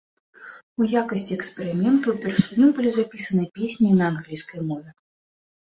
У якасці эксперыменту ўпершыню былі запісаны песні на англійскай мове.